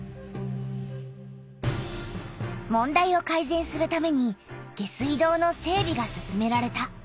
問題をかいぜんするために下水道の整びが進められた。